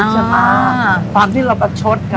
ความที่เราประชด